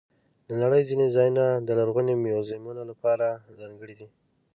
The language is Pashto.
د نړۍ ځینې ځایونه د لرغوني میوزیمونو لپاره ځانګړي دي.